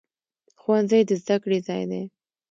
ښوونځی د زده کړې ځای دی